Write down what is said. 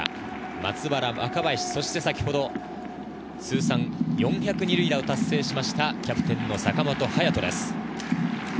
松原、若林、そして先ほど通算４００二塁打を達成したキャプテン坂本勇人です。